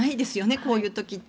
こういう時って。